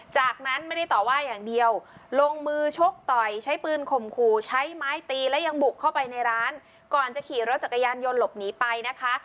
จากนั้นไม่ได้ต่อว่าอย่างเดียวลงมือชกต่อยใช้ปืนข่มขู่ใช้ไม้ตีและยังบุกเข้าไปในร้านก่อนจะขี่รถจักรยานยนต์หลบหนีไปนะคะ